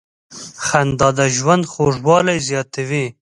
• خندا د ژوند خوږوالی زیاتوي.